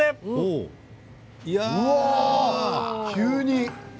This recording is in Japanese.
急に。